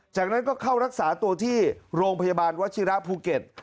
จากนั้นก็เข้ารักษาตัวที่โรงพยาบาลวชิระภูเก็ต